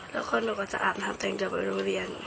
แล้ก็หนูก็จะอาบทำเต็มไกร้อยไปลงเลียน